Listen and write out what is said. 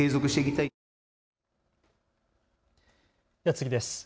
次です。